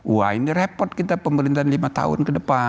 wah ini repot kita pemerintahan lima tahun ke depan